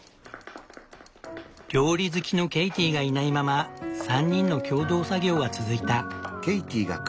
料理好きのケイティがいないまま３人の共同作業は続いた。